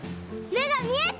めがみえた！